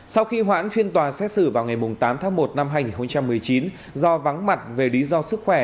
sau khi hoãn phiên tòa xét xử vào ngày tám tháng một năm hai nghìn một mươi chín do vắng mặt về lý do sức khỏe